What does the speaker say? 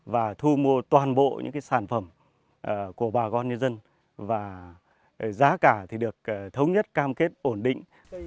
và thu mua toàn bộ những sản phẩm của bà con nhân dân và giá cả được thống nhất cam kết ổn định